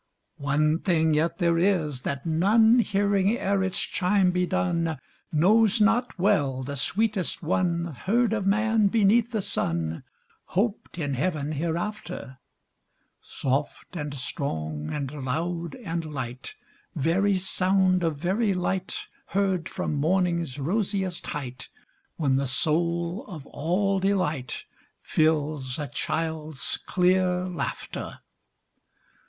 One thing yet there is that none Hearing, ere its chime be done Knows not well the sweetest one Heard of man beneath the sun, Hoped in heaven hereafter; Soft and strong and loud and light, Very sound of very light, Heard from morning's rosiest height, When the soul of all delight Fills a child's clear laughter.